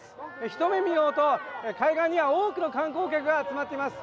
一目見ようと、対岸には多くの観光客が集まっています。